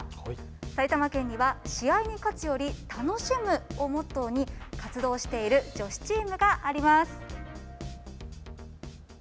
埼玉県には試合に勝つより楽しむをモットーに活動している女子チームがあります。